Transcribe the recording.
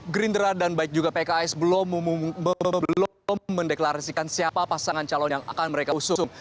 gerindra dan baik juga pks belum mendeklarasikan siapa pasangan calon yang akan mereka usung